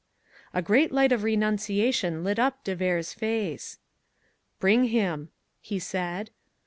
A great light of renunciation lit up de Vere's face. "Bring him," he said.